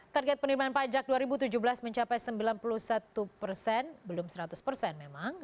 target penerimaan pajak dua ribu tujuh belas mencapai sembilan puluh satu persen belum seratus persen memang